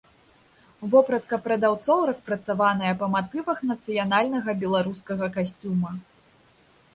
Вопратка прадаўцоў распрацаваная па матывах нацыянальнага беларускага касцюма.